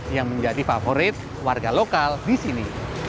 yang menjadi favorit warga lokal di sini